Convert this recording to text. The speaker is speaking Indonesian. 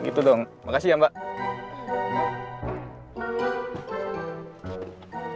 gitu dong makasih ya mbak